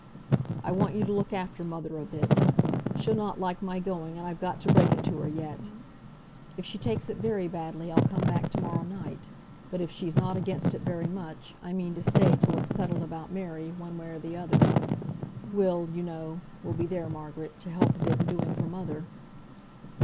I want you to look after mother a bit. She'll not like my going, and I've got to break it to her yet. If she takes it very badly, I'll come back to morrow night; but if she's not against it very much, I mean to stay till it's settled about Mary, one way or the other. Will, you know, will be there, Margaret, to help a bit in doing for mother."